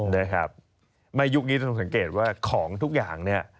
ในยุคนี้ต้องสังเกตว่าของทุกอย่างเนี่ย